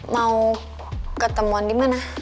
mau ketemuan di mana